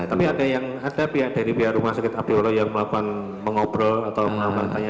tapi ada yang ada pihak dari pihak rumah sakit abdiola yang melakukan mengobrol atau mengamankannya